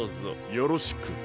よろしく。